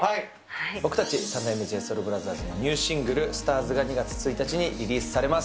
僕たち、三代目ＪＳｏｕｌＢｒｏｔｈｅｒｓのニューシングル、ＳＴＡＲＳが２月１日にリリースされます。